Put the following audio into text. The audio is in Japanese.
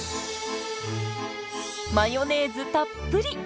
マヨネーズたっぷり！